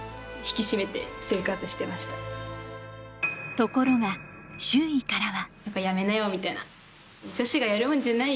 ところが周囲からは。